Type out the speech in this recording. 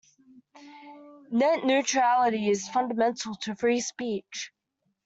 Net neutrality is fundamental to free speech.